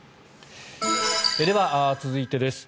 では、続いてです。